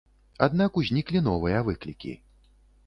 Аднак узніклі новыя выклікі.